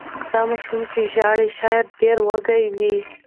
دا ماشوم چې ژاړي شاید ډېر وږی وي.